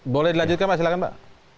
boleh dilanjutkan pak silakan pak